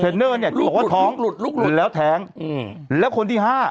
เนอร์เนี่ยที่บอกว่าท้องหลุดลุกหลุดแล้วแท้งอืมแล้วคนที่ห้า